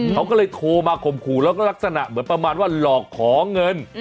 เขาก็เลยโทรมาข่มขู่แล้วก็ลักษณะเหมือนประมาณว่าหลอกขอเงิน